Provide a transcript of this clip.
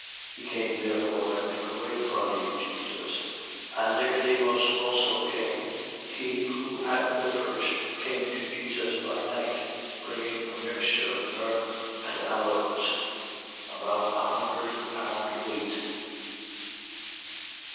He came therefore and took away the body of Jesus. 19:39. And Nicodemus also came (he who at the first came to Jesus by night), bringing a mixture of myrrh and aloes, about an hundred pound weight.